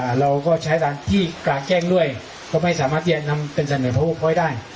อ่าเราก็ใช้ทางที่การแกล้งเรื่อยก็ไม่สามารถแอบนำเป็นสำหรับภาพโคคไป